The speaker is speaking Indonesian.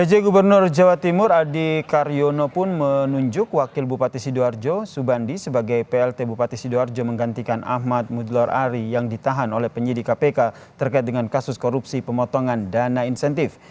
pj gubernur jawa timur adi karyono pun menunjuk wakil bupati sidoarjo subandi sebagai plt bupati sidoarjo menggantikan ahmad mudlor ari yang ditahan oleh penyidik kpk terkait dengan kasus korupsi pemotongan dana insentif